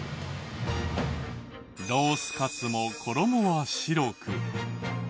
ロースかつも衣は白く。